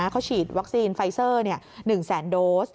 เขาฉีดวัคซีนไฟเซอร์๑แสนโดส